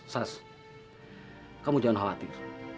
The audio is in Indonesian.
sas kamu jangan khawatir